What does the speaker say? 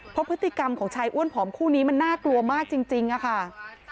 เพราะพฤติกรรมของชายอ้วนผอมคู่นี้มันน่ากลัวมากจริงค่ะ